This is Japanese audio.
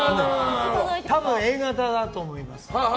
多分、Ａ型だと思います。